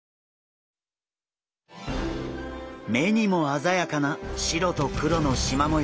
目にもあざやかな白と黒のしま模様